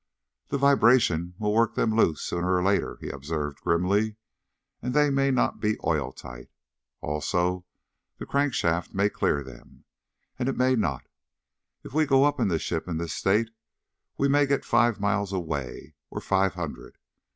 "The vibration will work them loose, sooner or later," he observed grimly, "and they may not be oil tight. Also, the crankshaft may clear them, and it may not. If we go up in the ship in this state we may get five miles away, or five hundred.